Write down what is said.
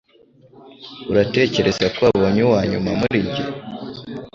Uratekereza ko wabonye uwanyuma muri njye,